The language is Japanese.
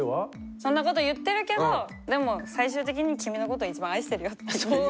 そんなこと言ってるけどでも最終的に君のことを一番愛してるよっていう意味。